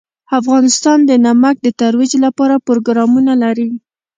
افغانستان د نمک د ترویج لپاره پروګرامونه لري.